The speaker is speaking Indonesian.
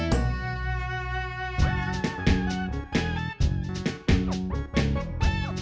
dari mana kamu pergi